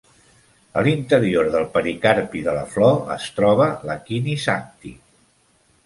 A l'interior del pericarpi de la flor es troba l'Hakini Sakti.